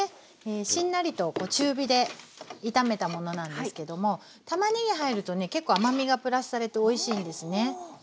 しんなりと中火で炒めたものなんですけどもたまねぎ入るとね結構甘みがプラスされておいしいんですね。